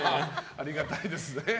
ありがたいですね。